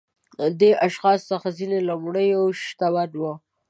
دې اشخاصو څخه ځینې لومړيو شتمن وو.